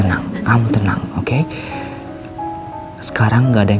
aku takut banget di